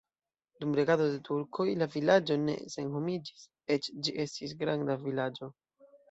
Dum regado de turkoj la vilaĝo ne senhomiĝis, eĉ ĝi estis granda vilaĝo.